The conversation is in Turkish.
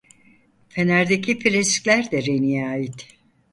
Fenerdeki freskler de Reni'ye ait.